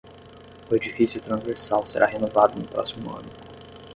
O edifício transversal será renovado no próximo ano